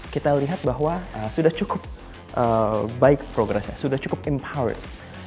kita lihat bahwa sudah cukup baik progress nya sudah cukup empowered